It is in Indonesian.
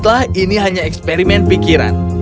setelah ini hanya eksperimen pikiran